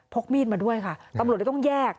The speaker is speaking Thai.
กมีดมาด้วยค่ะตำรวจเลยต้องแยก